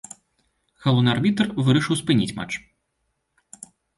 Галоўны арбітр вырашыў спыніць матч.